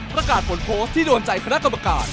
ประกาศผลโพสต์ที่โดนใจคณะกรรมการ